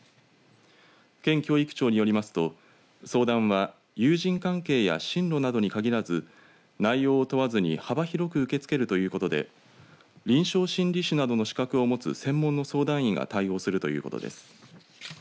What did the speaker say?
県教育庁によりますと相談は友人関係や進路などに限らず内容を問わずに幅広く受け付けるということで臨床心理士などの資格を持つ専門の相談員が対応するということです。